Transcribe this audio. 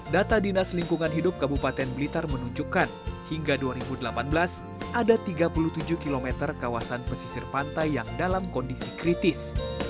data dinas lingkungan hidup kabupaten blitar menunjukkan hingga dua ribu delapan belas ada tiga puluh tujuh km kawasan pesisir pantai yang dalam kondisi kritis